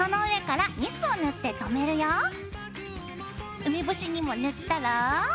梅干しにも塗ったら。